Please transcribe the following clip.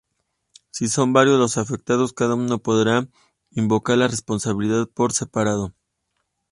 Si son varios los afectados, cada uno podrá invocar la responsabilidad por separado.